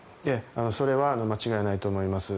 それは間違いないと思います。